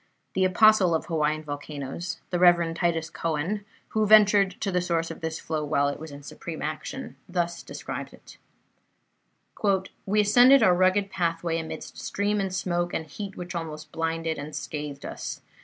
The Apostle of Hawaiian volcanoes, the Rev. Titus Coan, who ventured to the source of this flow while it was in supreme action, thus describes it: "We ascended our rugged pathway amidst steam and smoke and heat which almost blinded and scathed us.